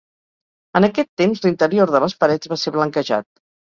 En aquest temps, l'interior de les parets va ser blanquejat.